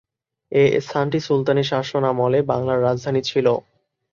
এ স্থানটি সুলতানী শাসনামলে বাংলার রাজধানী ছিল।